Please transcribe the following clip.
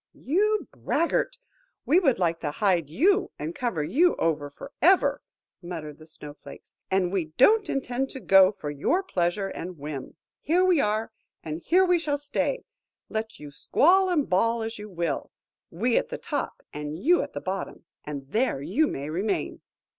"You braggart! we should like to hide you and cover you over for ever," muttered the Snow flakes. "And we don't intend to go for your pleasure and whim. Here we are, and here we shall stay, let you squall and bawl as you will. We at the top, and you at the bottom; and there you may remain!"